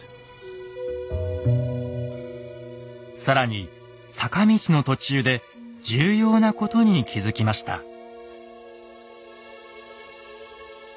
更に坂道の途中で重要なことに気付きました。